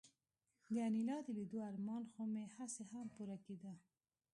د انیلا د لیدو ارمان خو مې هسې هم پوره کېده